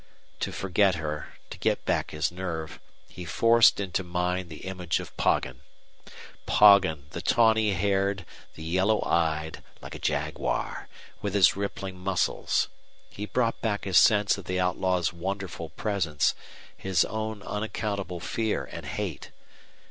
To forget her, to get back his nerve, he forced into mind the image of Poggin Poggin, the tawny haired, the yellow eyed, like a jaguar, with his rippling muscles. He brought back his sense of the outlaw's wonderful presence, his own unaccountable fear and hate.